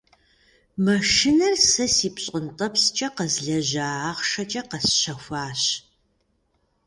Машинэр сэ си пщӀэнтӀэпскӀэ къэзлэжьа ахъшэкӀэ къэсщэхуащ.